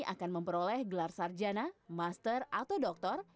akan memperoleh gelar sarjana master atau doktor